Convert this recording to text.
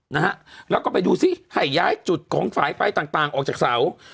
นะฮะแล้วก็ไปดูที่ไหย้๊าจุดของฝายไฟต่างออกจากเสา